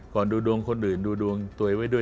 ก่อนดูดวงคนอื่นดูดวงต่วยไว้ด้วย